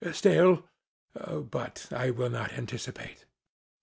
Still — but I will not anticipate.